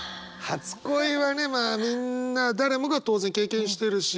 初恋はねまあみんな誰もが当然経験してるし。